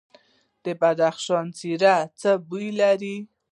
د بدخشان زیره څه بوی لري؟